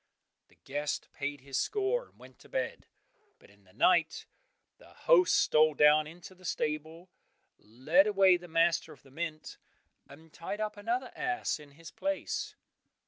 The guest paid his score, and went to bed, but in the night the host stole down into the stable, led away the master of the mint, and tied up another ass in his place.